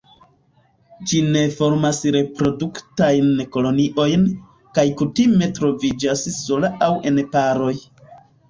Ĝi ne formas reproduktajn koloniojn, kaj kutime troviĝas sola aŭ en paroj.